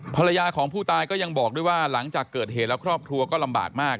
ภรรยาของผู้ตายก็ยังบอกด้วยว่าหลังจากเกิดเหตุแล้วครอบครัวก็ลำบากมาก